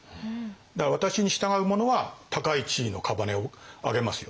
だから私に従う者は高い地位の姓をあげますよと。